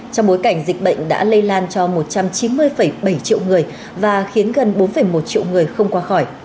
trong bối cảnh dịch bệnh đã lây lan cho một trăm chín mươi bảy triệu người và khiến gần bốn một triệu người không qua khỏi